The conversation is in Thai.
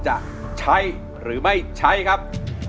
จะใช้หรือไม่ใช้ครับ